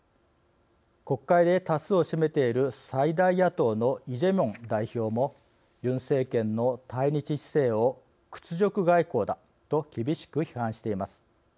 国会で多数を占めている最大野党のイ・ジェミョン代表もユン政権の対日姿勢を屈辱外交だと厳しく批判しています。